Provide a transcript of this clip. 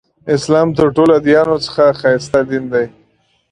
اسلام تر ټولو ادیانو څخه ښایسته دین دی.